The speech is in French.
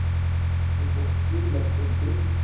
Et pour ce qui est de la probité …